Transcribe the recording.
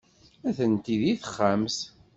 Atenti deg texxamt.